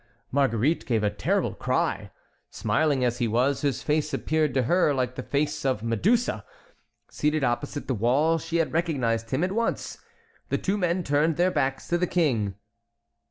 Marguerite gave a terrible cry. Smiling as he was, his face appeared to her like the face of Medusa. Seated opposite the door, she had recognized him at once. The two men turned their backs to the King.